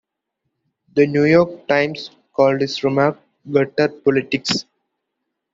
"The New York Times" called his remarks, "gutter politics".